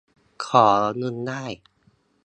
ของเงินได้